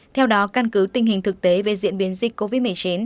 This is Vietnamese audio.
theo đó căn cứ tình hình thực tế về diễn biến dịch covid một mươi chín